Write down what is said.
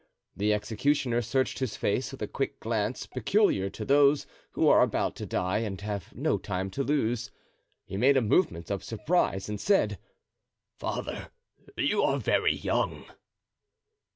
The executioner searched his face with the quick glance peculiar to those who are about to die and have no time to lose. He made a movement of surprise and said: "Father, you are very young."